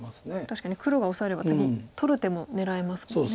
確かに黒がオサえれば次取る手も狙えますもんね。